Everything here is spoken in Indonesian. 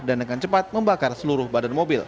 dan dengan cepat membakar seluruh badan mobil